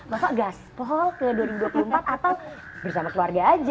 masa gaspol ke dua ribu dua puluh empat atau bersama keluarga aja